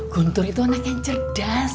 guntur itu anak yang cerdas